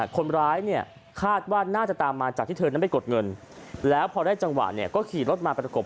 คนร้ายเนี่ยคาดว่าน่าจะตามมาจากที่เธอนั้นไปกดเงินแล้วพอได้จังหวะเนี่ยก็ขี่รถมาประกบ